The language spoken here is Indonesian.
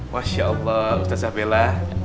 masya allah ustadz jabela